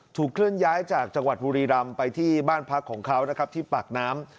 เคลื่อนย้ายจากจังหวัดบุรีรำไปที่บ้านพักของเขานะครับที่ปากน้ำ